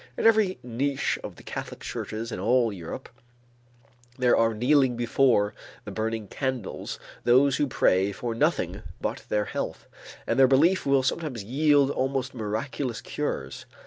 In every niche of the Catholic churches in all Europe, there are kneeling before the burning candles those who pray for nothing but their health; and their belief will sometimes yield almost miraculous cures.